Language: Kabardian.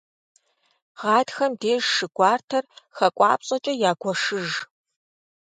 Гъатхэм деж шы гуартэр хакӏуапщӏэкӏэ ягуэшыж.